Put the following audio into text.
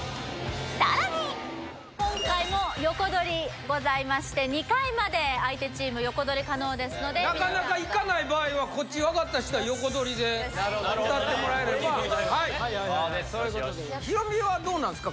さらに今回も横取りございまして２回まで相手チーム横取り可能ですのでなかなかいかない場合はこっち分かった人は横取りで・なるほどね歌ってもらえればそういうことでございますヒロミはどうなんですか？